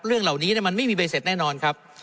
เรื่องเหล่านี้มันไม่มีใบเสร็จแน่นอนครับ